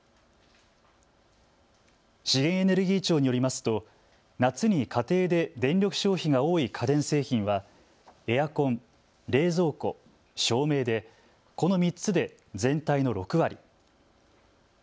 資源エネルギー庁によりますと夏に家庭で電力消費が多い家電製品はエアコン、冷蔵庫、照明で、この３つで全体の６割。